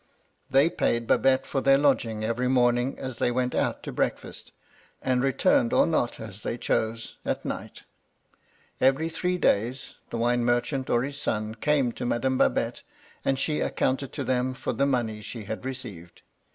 They paid Babette for their lodging every morning as they went out to breakfast, and returned or not as they chose, at night Every three days, the wine merchant or his son came to Madame Babette, and she accounted to them for the money she had received.